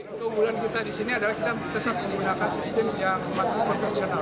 untuk umuran kita di sini adalah kita tetap menggunakan sistem yang masih profesional